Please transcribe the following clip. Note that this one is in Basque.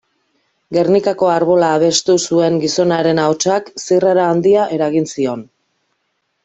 Gernikako Arbola abestu zuen gizonaren ahotsak zirrara handia eragin zion.